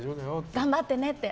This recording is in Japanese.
頑張ってねって。